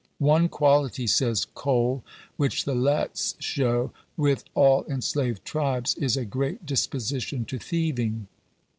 " One quality," says Kohl, " which the Lettes show, with all enslaved tribes, is a great disposition to thieving."